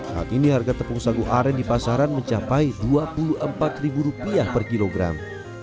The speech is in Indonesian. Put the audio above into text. saat ini harga tepung sagu aren di pasaran mencapai rp dua puluh empat per kilogram